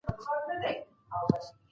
زده کوونکي په جوش سره کار کوي.